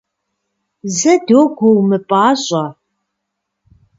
Зэ, догуэ, умыпӏащӏэ!